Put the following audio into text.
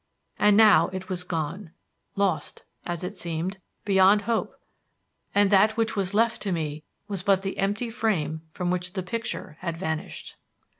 And now it was gone lost, as it seemed, beyond hope; and that which was left to me was but the empty frame from which the picture had vanished.